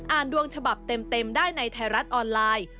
ดวงฉบับเต็มได้ในไทยรัฐออนไลน์